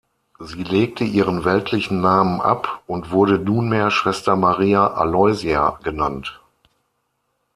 Sie legte ihren weltlichen Namen ab und wurde nunmehr Schwester Maria Aloysia genannt.